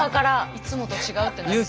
いつもと違うってなりそう。